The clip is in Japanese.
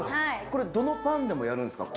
これどのパンでもやるんですか？